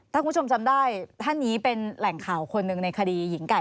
ถ้าคุณผู้ชมจำได้ท่านนี้เป็นแหล่งข่าวคนหนึ่งในคดีหญิงไก่